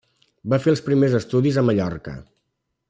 Va fer els primers estudis a Mallorca.